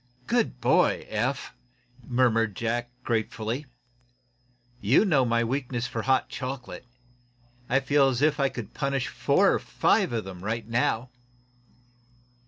"Good boy, Eph!" murmured Jack, gratefully. "You know my weakness for hot chocolate. I feel as if I could punish four or five of 'em right now."